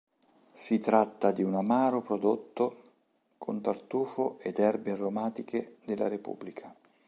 Si tratta di un amaro prodotto con tartufo ed erbe aromatiche della repubblica.